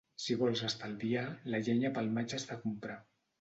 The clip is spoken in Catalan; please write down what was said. Si vols estalviar, la llenya pel maig has de comprar.